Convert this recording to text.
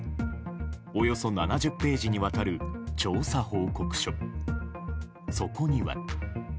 およそ７０ページにわたる調査報告書、そこには。